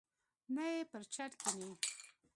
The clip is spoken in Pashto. نه یې پر چت کښیني.